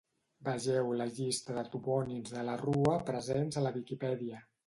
Vegeu la llista de Topònims de la Rua presents a la Viquipèdia.